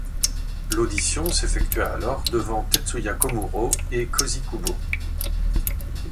L'audition s'effectua alors devant Tetsuya Komuro et Cozy Kubo.